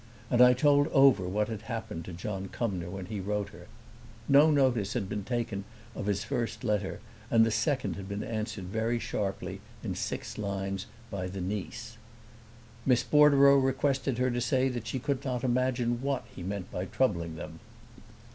And I told over what had happened to John Cumnor when he wrote to her. No notice whatever had been taken of his first letter, and the second had been answered very sharply, in six lines, by the niece. "Miss Bordereau requested her to say that she could not imagine what he meant by troubling them.